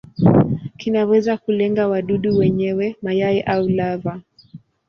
Kinaweza kulenga wadudu wenyewe, mayai au lava.